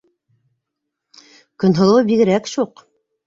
Көнһылыуы бигерәк шуҡ.